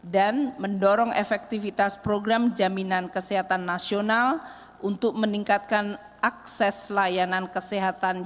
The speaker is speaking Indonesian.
dan mendorong efektivitas program jaminan kesehatan nasional untuk meningkatkan akses layanan kesehatan